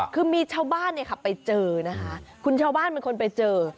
คือมีชาวบ้านเนี่ยค่ะไปเจอนะคะคุณชาวบ้านเป็นคนไปเจอ